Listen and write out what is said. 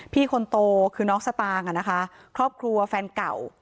พี่คนโตคือน้องสตางค์อ่ะนะคะครอบครัวแฟนเก่า